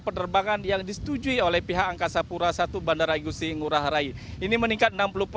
penerbangan yang disetujui oleh pihak angkasa pura i bandara igusi ngurah rai ini meningkat